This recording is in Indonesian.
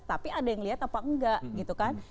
tapi ada yang lihat apa enggak gitu kan